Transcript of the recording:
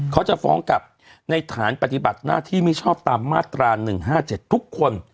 เขาจะฟ้องกลับในฐานปฏิบัติหน้าที่ไม่ชอบตามมาตรา๑๕๗ทุกคน